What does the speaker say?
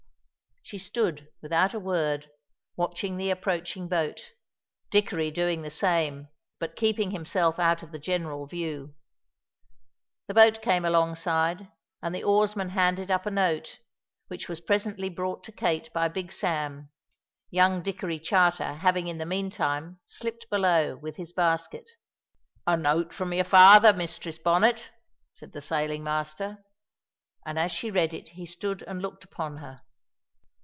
She stood, without a word, watching the approaching boat, Dickory doing the same, but keeping himself out of the general view. The boat came alongside and the oarsman handed up a note, which was presently brought to Kate by Big Sam, young Dickory Charter having in the meantime slipped below with his basket. "A note from your father, Mistress Bonnet," said the sailing master. And as she read it he stood and looked upon her.